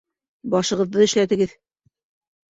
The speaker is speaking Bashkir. Башығыҙҙы эшләтегеҙ